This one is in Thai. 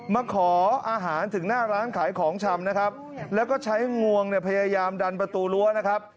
มาขออาหารถึงหน้าร้านขายของชำนะครับแล้วก็ใช้งวงเนี่ยพยายามดันประตูรั้วนะครับ